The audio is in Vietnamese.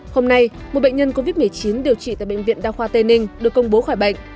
hôm nay một bệnh nhân covid một mươi chín điều trị tại bệnh viện đa khoa tây ninh được công bố khỏi bệnh